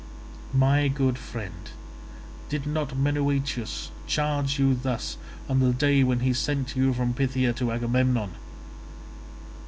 My good friend, did not Menoetius charge you thus, on the day when he sent you from Phthia to Agamemnon?